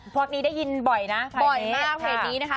โพสต์นี้ได้ยินบ่อยนะบ่อยมากเพจนี้นะคะ